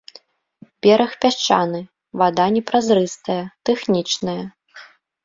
Бераг пясчаны, вада не празрыстая, тэхнічная.